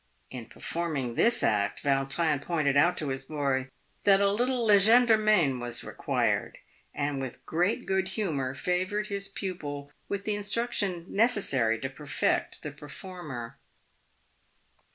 In perform ing this act, Vautrin pointed out to his boy that a little legerdemain was required, and with great good humour favoured his pupil with the instruction necessary to perfect the performer.